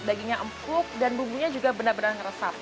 dagingnya empuk dan bumbunya juga benar benar meresap